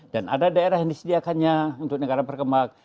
dan ada daerah yang disediakannya untuk negara berkembang